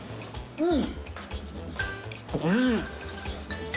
うん！